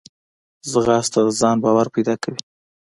ځغاسته د ځان باور پیدا کوي